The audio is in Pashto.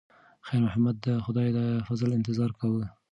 خیر محمد د خدای د فضل انتظار کاوه.